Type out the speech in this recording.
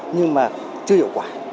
nhưng mà chưa hiệu quả